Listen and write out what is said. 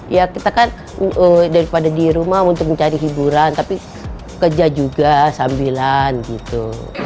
ya kita kan daripada di rumah untuk mencari hiburan tapi kerja juga sambilan gitu